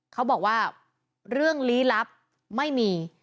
เขาบอกว่าเรื่องลี้ลับไม่มี